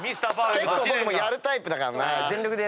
結構僕もやるタイプだからな。